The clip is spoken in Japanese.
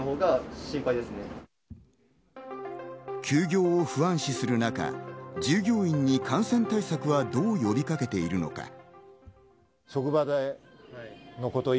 休業を不安視する中、従業員に感染対策はどう呼びかけているのか？